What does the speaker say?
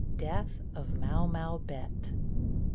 DEATH OF MAU MAU BETT.